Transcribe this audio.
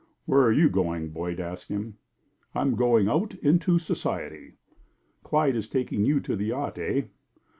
"Where are you going?" Boyd asked him. "I'm going out into society." "Clyde is taking you to the yacht, eh?"